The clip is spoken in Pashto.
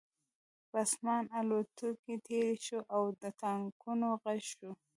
په آسمان الوتکې تېرې شوې او د ټانکونو غږ شو